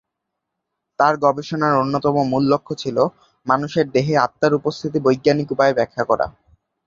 তার গবেষণার অন্যতম মূল লক্ষ্য ছিলো মানুষের দেহে আত্মার উপস্থিতি বৈজ্ঞানিক উপায়ে ব্যাখ্যা করা।